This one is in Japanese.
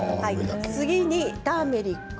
次にターメリック。